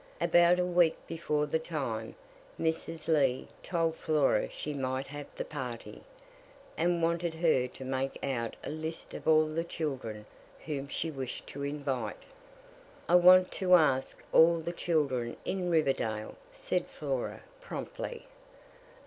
About a week before the time, Mrs. Lee told Flora she might have the party, and wanted her to make out a list of all the children whom she wished to invite. "I want to ask all the children in Riverdale," said Flora, promptly.